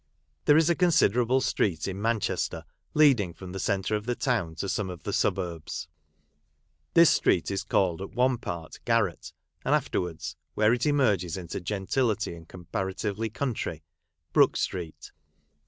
There is a considerable street in Manchester leading from the centre of the town to some of the suburbs. This street is called at one .part Garratt, and afterwards, where it emerges into gentility and comparatively country, Brook Street.